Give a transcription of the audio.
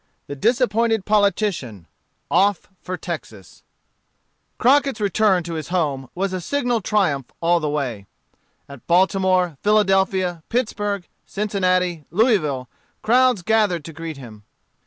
The Bee Hunter. The Rough Strangers. Scene on the Prairie. Crockett's return to his home was a signal triumph all the way. At Baltimore, Philadelphia, Pittsburgh, Cincinnati, Louisville, crowds gathered to greet him.